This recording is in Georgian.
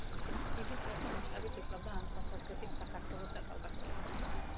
იგი ფართო მასშტაბით იკვლევდა ამ თვალსაზრისით საქართველოს და კავკასიას.